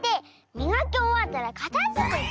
みがきおわったらかたづけて！